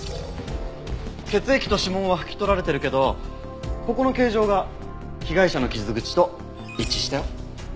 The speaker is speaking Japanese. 血液と指紋は拭き取られてるけどここの形状が被害者の傷口と一致したよ。